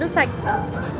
nhưng chính quyền